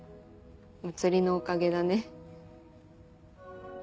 茉莉のおかげだね。